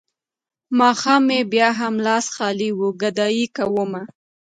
ماښام مې بيا هم لاس خالي وي ګدايي کومه.